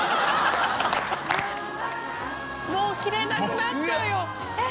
もう着れなくなっちゃうよえっ？